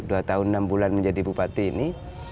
dua tahun enam bulan menjadi bupati ini